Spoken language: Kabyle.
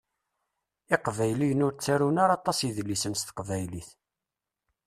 Iqbayliyen ur ttarun ara aṭas idlisen s teqbaylit.